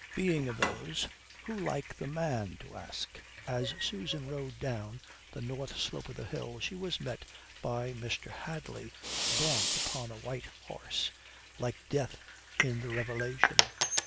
Being of those who like the man to ask." As Susan rode down the north slope of the hill, she was met by Mr. Hadley, gaunt upon a white horse, like death in the Revelation.